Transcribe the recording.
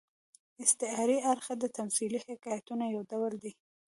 استعاري اړخ د تمثيلي حکایتونو یو ډول دئ.